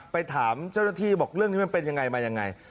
ไปถามเจ้าหน้าที่บอกเรื่องนี้มันเป็นยังไงมายังไง